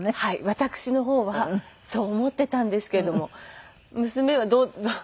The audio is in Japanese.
私の方はそう思っていたんですけれども娘はどう。